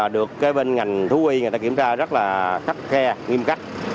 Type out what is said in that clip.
được bên ngành thú y người ta kiểm tra rất là khắc khe nghiêm cắt